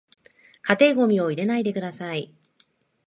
家庭ゴミを入れないでください